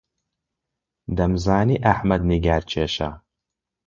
دەمزانی ئەحمەد نیگارکێشە.